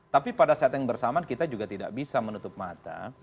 tapi pada saat yang bersamaan kita juga tidak bisa menutup mata